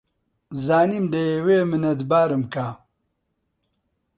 زانیم دەیەوێ منەتبارم کا